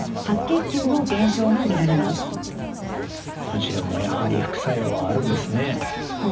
こちらもやはり副作用はあるんですね。